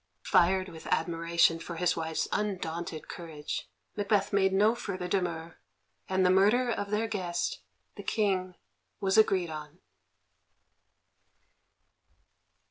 Fired with admiration for his wife's undaunted courage, Macbeth made no further demur, and the murder of their guest, the King, was agreed on.